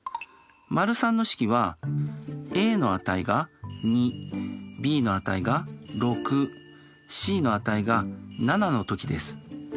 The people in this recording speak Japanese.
③の式はａの値が２ｂの値が６ｃの値が７の時です。